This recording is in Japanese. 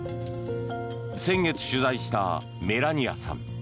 先月取材したメラニアさん。